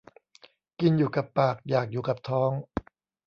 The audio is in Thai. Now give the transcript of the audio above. กินอยู่กับปากอยากอยู่กับท้อง